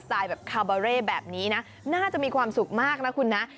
แบบคาบาเร่แบบนี้นะน่าจะมีความสุขมากนะคุณนะ